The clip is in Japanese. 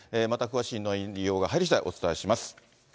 また詳しい内容が入りしだい、お伝えします。